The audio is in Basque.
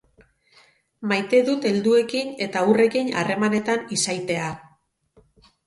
Maite dut helduekin eta haurrekin harremanetan izaitea.